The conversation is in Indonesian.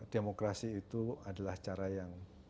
demokrasi itu adalah cara yang